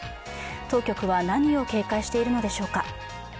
当局は何を警戒しているのでしょうか。